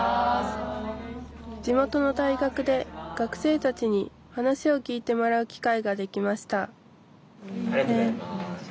地元の大学で学生たちに話を聞いてもらう機会ができましたありがとうございます。